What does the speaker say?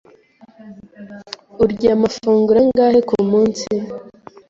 Urya amafunguro angahe kumunsi?